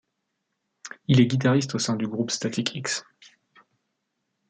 Il est guitariste au sein du groupe Static-X.